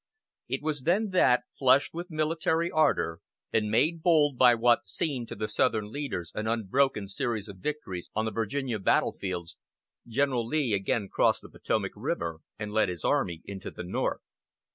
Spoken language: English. It was then that, flushed with military ardor, and made bold by what seemed to the southern leaders an unbroken series of victories on the Virginia battlefields, General Lee again crossed the Potomac River, and led his army into the North.